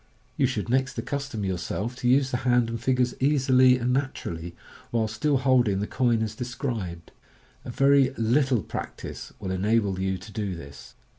You should next accustom yourself to use the hand and fingers easily and naturally, while still holding the coin as described. A very little practice will enable you to do this.